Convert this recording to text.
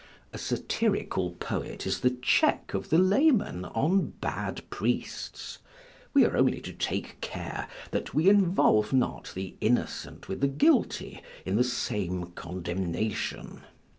A satirical poet is the check of the laymen on bad priests. We are only to take care that we involve not the innocent with the guilty in the same condemnation.